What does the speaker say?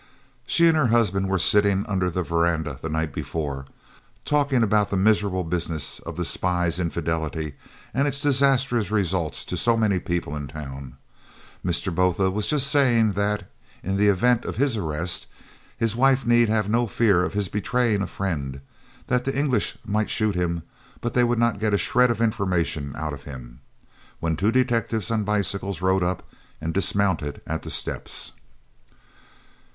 She and her husband were sitting under the verandah the night before, talking about the miserable business of the spy's infidelity and its disastrous results to so many people in town. Mr. Botha was just saying that, in the event of his arrest, his wife need have no fear of his betraying a friend, and that the English might shoot him, but they would not get a shred of information out of him, when two detectives on bicycles rode up and dismounted at the steps.